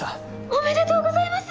おめでとうございます。